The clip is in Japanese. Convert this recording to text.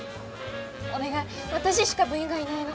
お願い私しか部員がいないの。